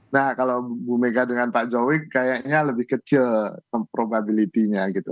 nah kalau bu mega dengan pak jokowi kayaknya lebih kecil probability nya gitu